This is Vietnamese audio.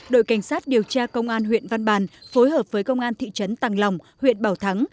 đội cảnh sát điều tra công an huyện văn bàn phối hợp với công an thị trấn tàng lòng huyện bảo thắng